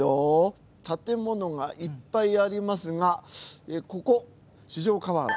建物がいっぱいありますがここ、四条河原。